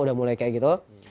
udah mulai kayak gitu